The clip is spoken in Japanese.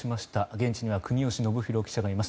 現地には国吉伸洋記者がいます。